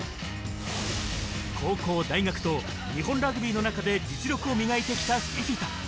高校、大学と日本ラグビーの中で実力を磨いてきたフィフィタ。